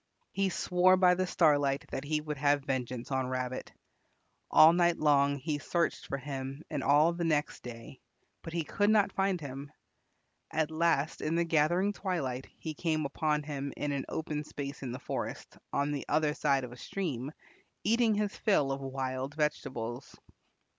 He swore by the Starlight that he would have vengeance on Rabbit. All night long he searched for him and all the next day, but he could not find him. At last in the gathering twilight he came upon him in an open space in the forest, on the other side of a stream, eating his fill of wild vegetables.